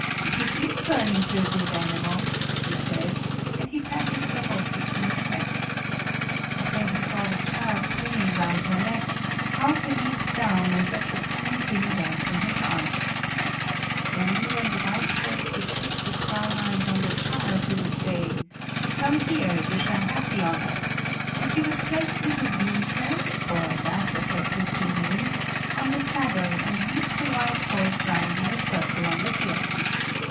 "You did turn into a good animal!" he said, and then patted the horse's smooth neck. But when he saw the child clinging round her neck, Hauke leaped down and let the tiny thing dance in his arms. Then, when the white horse would fix its brown eyes on the child, he would say: "Come here, you shall have the honor." And he would place little Wienke for that was her Christian name on the saddle and lead the white horse round in a circle on the hill.